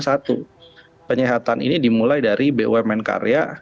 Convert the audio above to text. satu penyehatan ini dimulai dari bumn karya